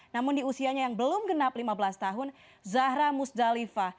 namun di usianya yang belum genap lima belas tahun zahra musdalifah